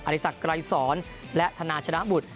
อริษัทไกรศรและธนาชนะบุตร